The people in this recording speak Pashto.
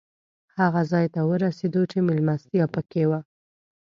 هغه ځای ته ورسېدو چې مېلمستیا پکې وه.